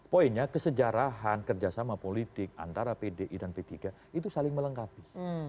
poinnya kesejarahan kerjasama politik antara pdi dan p tiga itu saling melengkapi